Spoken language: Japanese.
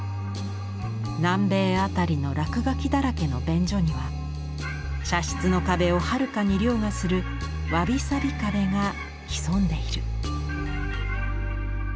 「南米あたりの落書きだらけの便所には茶室の壁をはるかに凌駕する『侘び寂び壁』がひそんでいる」。